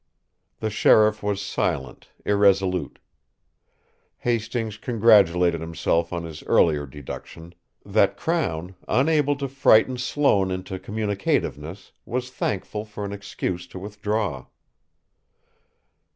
The sheriff was silent, irresolute. Hastings congratulated himself on his earlier deduction: that Crown, unable to frighten Sloane into communicativeness, was thankful for an excuse to withdraw.